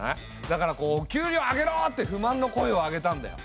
だから「給料を上げろ！」って不満の声を上げたんだよ。